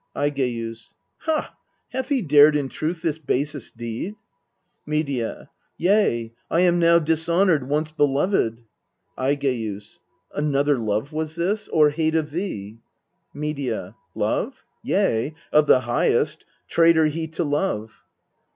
Aigeus. Ha! hath he dared in truth this basest deed? Medea. Yea : I am now dishonoured, once beloved. Aigcus. Another love was this ? or hate of thee ? Medea. Love? yea, of the highest traitor he to love